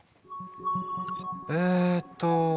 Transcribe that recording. えっと